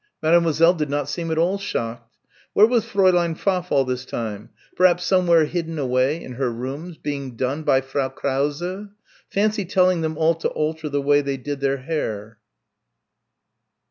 Mademoiselle did not seem at all shocked. Where was Fräulein Pfaff all this time? Perhaps somewhere hidden away, in her rooms, being "done" by Frau Krause. Fancy telling them all to alter the way they did their hair.